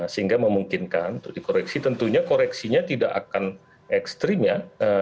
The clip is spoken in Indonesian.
sehingga memungkinkan untuk dikoreksi tentunya koreksinya tidak akan ekstrim ya